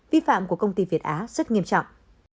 vi phạm của công ty việt á rất nghiêm trọng